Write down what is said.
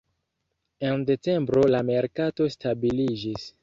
En decembro la merkato stabiliĝis.